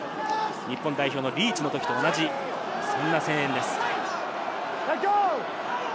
日本代表のリーチのときと同じ、そんな声援です。